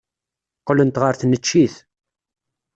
Qqlent ɣer tneččit.